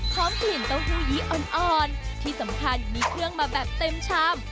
กลิ่นเต้าหู้ยี้อ่อนที่สำคัญมีเครื่องมาแบบเต็มชาม